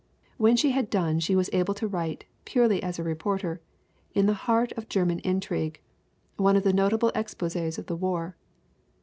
When she had done she was able to write, purely as a reporter, In the Heart of German Intrigue, one of the notable ex poses of the war.